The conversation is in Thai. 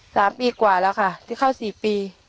สามปีกว่าแล้วค่ะที่เข้าสี่ปี